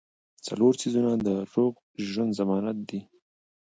څلور څيزونه د روغ ژوند ضمانت دي -